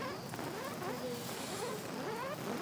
总部位于美国。